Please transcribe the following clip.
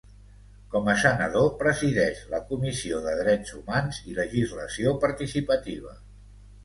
Com a senador, presideix la comissió de Drets Humans i Legislació Participativa.